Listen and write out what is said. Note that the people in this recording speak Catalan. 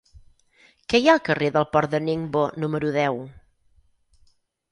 Què hi ha al carrer del Port de Ningbo número deu?